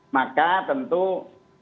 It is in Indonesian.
maka tentu ya